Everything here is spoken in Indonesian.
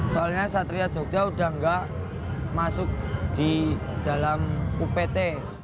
soalnya satria jogja sudah nggak masuk di dalam upt